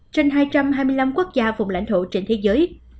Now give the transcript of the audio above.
trên hai trăm hai mươi năm quốc gia vùng lãnh thổ trên thế giới